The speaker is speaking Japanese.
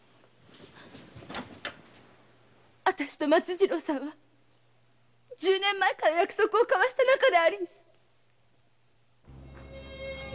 私と松次郎さんは十年前から約束を交わした仲でありんす。